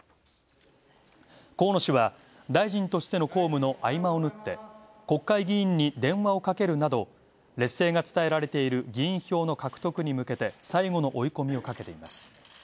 河野氏は大臣としての公務の合間を縫って国会議員に電話をかけるなど劣勢が伝えられる議員票の獲得に向けて最後の追い込みをかけています。